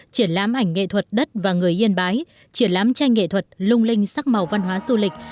triển lãm ảnh nghệ thuật đất và người yên bái triển lãm tranh nghệ thuật lung linh sắc màu văn hóa du lịch